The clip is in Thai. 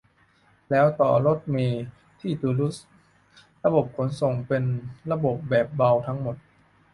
แล้วต่อรถเมล์ ที่ตูลูสระบบขนส่งเป็นระบบแบบเบาทั้งหมด